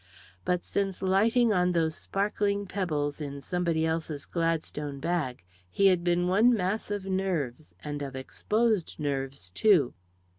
But since lighting on those sparkling pebbles in somebody else's Gladstone bag, he had been one mass of nerves, and of exposed nerves, too.